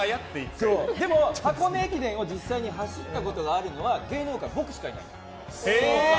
でも箱根駅伝を実際に走ったことがあるのは芸能界、僕しかいない。